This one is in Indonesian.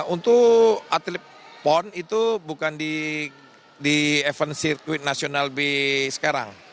untuk atlet pon itu bukan di event sirkuit nasional b sekarang